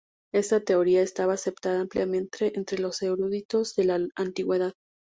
Esta teoría estaba aceptada ampliamente entre los eruditos de la antigüedad.